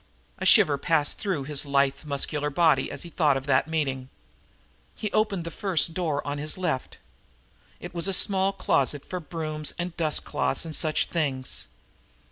A shiver passed through his lithe, muscular body at the thought of that meeting. He opened the first door to his left. It was a small closet for brooms and dust cloths and such things.